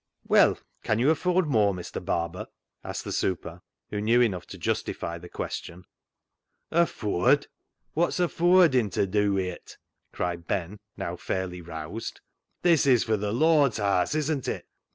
" Well, can you afford more, Mr. Barber ?" asked the " super," who knew enough to justify the question. " Affooard ! Wot's affooarding to dew wi' it ?" cried Ben, now fairly roused. " This is fur th' Lord's haase, isn't it